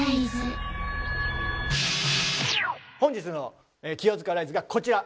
本日の「キヨヅカライズ」がこちら。